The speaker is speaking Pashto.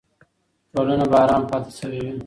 ټولنه به ارامه پاتې شوې وي.